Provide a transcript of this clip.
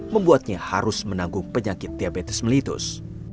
membuatnya harus menanggung penyakit diabetes melitus